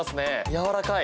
やわらかい！